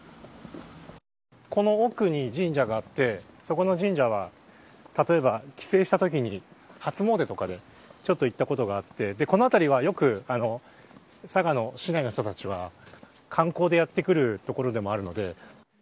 この奥に神社があってその神社が例えば、帰省したときに初詣とかで行ったことがあってこの辺りはよく佐賀の市内の人たちは観光でやって来る所でもあるので。